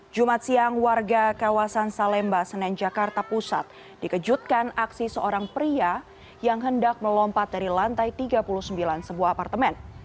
jumat siang warga kawasan salemba senen jakarta pusat dikejutkan aksi seorang pria yang hendak melompat dari lantai tiga puluh sembilan sebuah apartemen